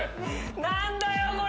・何だよこれ！